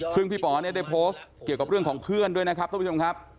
ซึ่งพี่ป๋อเนี่ยได้โพสต์เกี่ยวกับเรื่องของเพื่อนด้วยนะครับท่านผู้ชมครับ